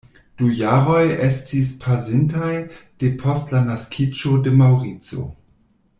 Du jaroj estis pasintaj depost la naskiĝo de Maŭrico.